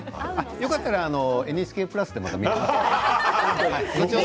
よかったらＮＨＫプラスでも見てください。